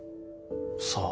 さあ。